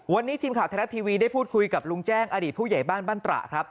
วันนี้ทีมข่าวไทยรัฐทีวีได้พูดคุยกับลุงแจ้งอดีตผู้ใหญ่บ้านบ้านตระครับ